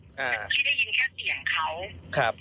พี่ได้ยินแค่เสียงเขา